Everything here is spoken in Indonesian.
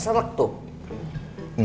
gak ada di tabungan